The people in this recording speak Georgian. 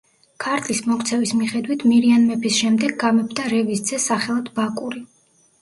ქართლის მოქცევის მიხედვით მირიან მეფის შემდეგ გამეფდა რევის ძე სახელად ბაკური.